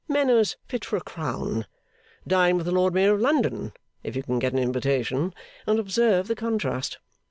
Manners fit for a crown! Dine with the Lord Mayor of London (if you can get an invitation) and observe the contrast.